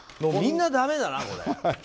みんなだめだな。